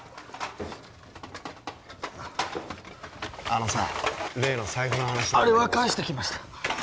あのさ例の財布の話なんだけどさあれは返してきました